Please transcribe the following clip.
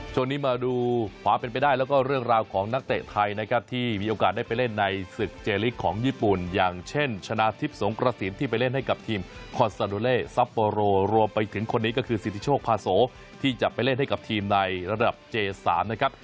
ช่วงนี้มาดูความเป็นไปได้แล้วก็เรื่องราวของนักเตะไทยนะครับที่มีโอกาสได้ไปเล่นในศึกเจลิกของญี่ปุ่นอย่างเช่นชนะทิพย์สงกระสินที่ไปเล่นให้กับทีมคอนซาโดเลซัปโปโรรวมไปถึงคนนี้ก็คือสิทธิโชคพาโสที่จะไปเล่นให้กับทีมในระดับเจสามนะครับ